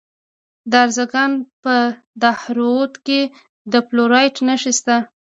د ارزګان په دهراوود کې د فلورایټ نښې شته.